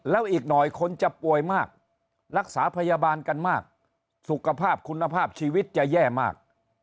แล้วอีกหน่อยคนจะป่วยมากรักษาพยาบาลกันมากสุขภาพคุณภาพชีวิตจะแย่มาก